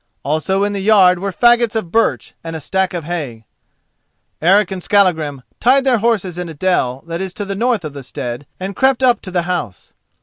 Also in the yard were faggots of birch and a stack of hay. Eric and Skallagrim tied their horses in a dell that is to the north of the stead and crept up to the house.